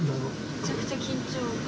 めちゃくちゃ緊張感。